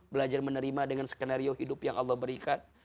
belajar menerima dengan skenario hidup yang allah berikan